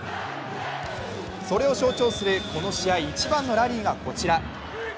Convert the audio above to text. それを象徴するこの試合、一番のラリーがこちら。